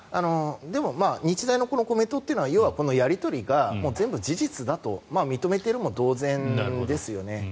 日大のこのコメントというのは要はやり取りが全部事実だと認めてるも同然ですよね。